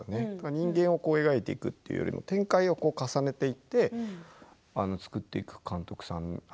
人間を描いていく展開を重ねていって作っていく監督さん